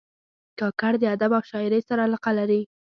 کاکړ د ادب او شاعرۍ سره علاقه لري.